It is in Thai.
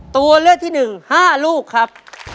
ตัวเลือกที่หนึ่ง๕ลูกครับ